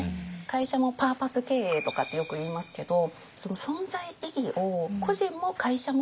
会社もパーパス経営とかってよくいいますけどその存在意義を個人も会社も求めてる。